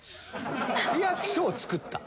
区役所を造った？